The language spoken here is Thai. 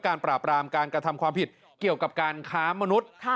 ปราบรามการกระทำความผิดเกี่ยวกับการค้ามนุษย์